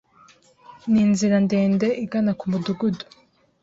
Ninzira ndende igana kumudugudu.